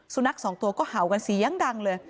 สุนัขสองตัวก็เห่ากันเสียงดังเลย